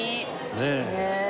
ねえ。